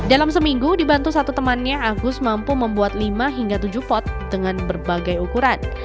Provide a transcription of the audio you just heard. dalam seminggu dibantu satu temannya agus mampu membuat lima hingga tujuh pot dengan berbagai ukuran